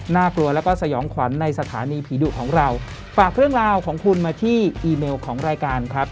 กลัวแล้วก็สยองขวัญในสถานีผีดุของเราฝากเรื่องราวของคุณมาที่อีเมลของรายการครับ